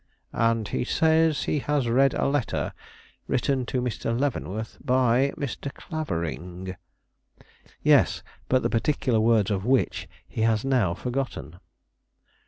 "And he says he has read a letter written to Mr. Leavenworth by Mr. Clavering?" "Yes; but the particular words of which he has now forgotten."